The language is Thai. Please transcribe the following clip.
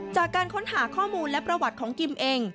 จากการค้นหาข้อมูลและประวัติของกิมเอง